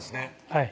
はい